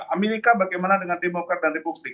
amerika bagaimana dengan demokrat dan terbukti